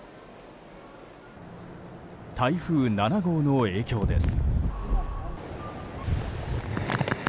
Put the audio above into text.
台風７号の影響です。